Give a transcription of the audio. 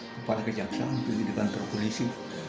kepala kejaksaan pergi ke kantor polisi